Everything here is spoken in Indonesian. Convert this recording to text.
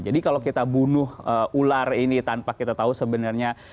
jadi kalau kita bunuh ular ini tanpa kita tahu sebenarnya